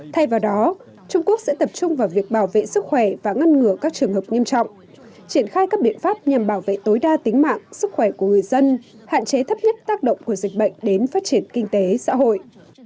thay vào đó trung quốc sẽ tập trung vào việc bảo vệ sức khỏe và ngăn ngừa các trường hợp nghiêm trọng triển khai các biện pháp nhằm bảo vệ tối đa tính mạng sức khỏe của người dân hạn chế thấp nhất tác động của dịch bệnh đến phát triển kinh tế xã hội